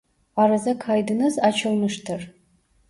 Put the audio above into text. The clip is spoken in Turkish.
Arıza kaydınız açılmıştır.